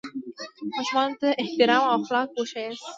ماشومانو ته احترام او اخلاق وښیاست.